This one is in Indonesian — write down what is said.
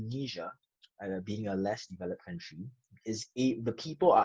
dan orang orang dapat mendapatkan akses ke sistem finansial yang lebih berkembang